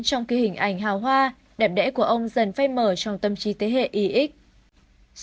trong cái hình ảnh hào hoa đẹp đẽ của ông dần phai mở trong tâm trí thế hệ yx